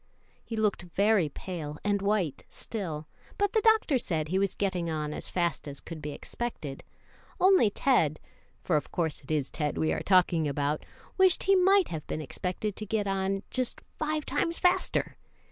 He looked very pale and white still, but the doctor said he was getting on as fast as could be expected, only Ted for of course it is Ted we are talking about wished he might have been expected to get on just five times faster.